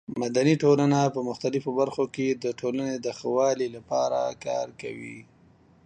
مدني ټولنه په مختلفو برخو کې د ټولنې د ښه والي لپاره کار کوي.